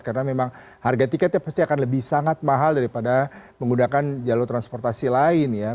karena memang harga tiketnya pasti akan lebih sangat mahal daripada menggunakan jalur transportasi lain ya